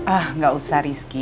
ah gak usah risk